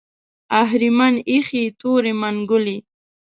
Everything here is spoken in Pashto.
اهریمن ایښې تورې منګولې